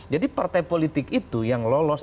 jadi partai politik itu yang lolos